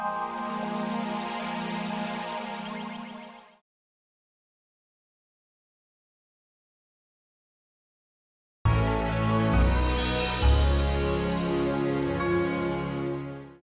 ya tapi ini aku pasti kesana tetap